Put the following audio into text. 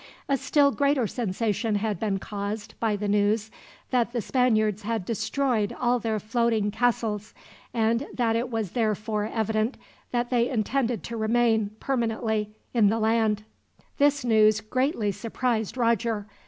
A still greater sensation had been caused by the news that the Spaniards had destroyed all their floating castles, and that it was therefore evident that they intended to remain, permanently, in the land. This news greatly surprised Roger.